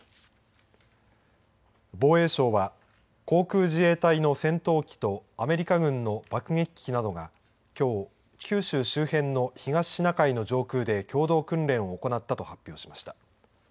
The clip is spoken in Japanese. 防衛省は航空自衛隊の戦闘機とアメリカ軍の爆撃機などがきょう、九州周辺の東シナ海の上空で共同訓練を行ったと発表しました。